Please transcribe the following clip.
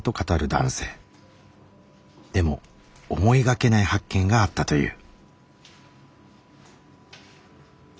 でも思いがけない発見があったという。